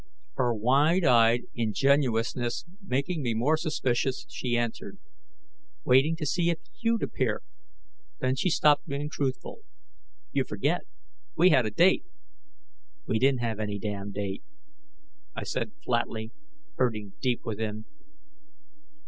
Her wide eyed ingenuousness making me more suspicious, she answered, "Waiting to see if you'd appear." Then she stopped being truthful: "You forget we had a date " "We didn't have any damned date," I said flatly, hurting deep within.